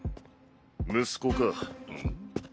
息子かん？